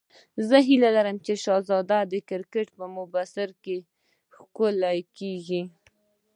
زه هیله لرم چې شهزاد د کرکټ په مبصرۍ کې وښکلېږي.